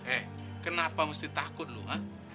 eh kenapa mesti takut lu ah